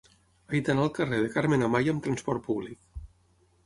He d'anar al carrer de Carmen Amaya amb trasport públic.